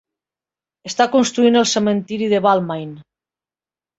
Està construït al cementiri de Balmain.